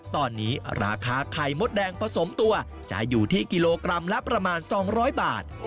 ตอนนี้ราคาไข่มดแดงผสมตัวจะอยู่ที่กิโลกรัมละประมาณ๒๐๐บาท